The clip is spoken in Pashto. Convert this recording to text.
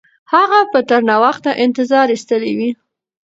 هغه به تر ناوخته انتظار ایستلی وي.